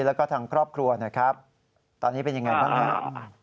แล้วก็ทางครอบครัวนะครับตอนนี้เป็นยังไงบ้างครับ